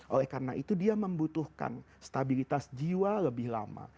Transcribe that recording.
oleh karena itu dia membutuhkan stabilitas jiwa lebih lama